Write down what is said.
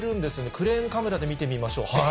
クレーンカメラで見てみましょう。